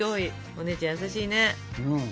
お姉ちゃん優しいね。